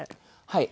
はい。